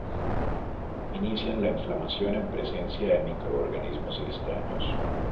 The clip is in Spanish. Inician la inflamación en presencia de microorganismos extraños.